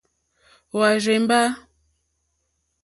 Hwá rzèmbá.